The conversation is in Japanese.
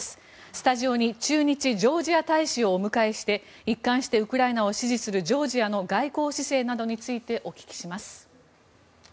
スタジオに駐日ジョージア大使をお迎えして一貫してウクライナを支持するジョージアの外交姿勢などについてお聞きします。